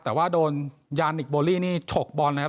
แต่ว่าโดนยานิคโบลี่นี่ฉกบอลนะครับ